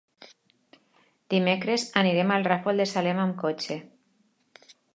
Dimecres anirem al Ràfol de Salem amb cotxe.